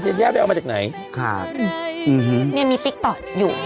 พี่ทัญญาไปเอามาจากไหนค่ะอืมอันนี้มีติ๊กต่อดอยู่